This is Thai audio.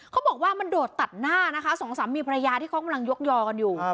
เขาบอกว่ามันโดดตัดหน้านะคะสองสามีภรรยาที่เขากำลังยกยอกันอยู่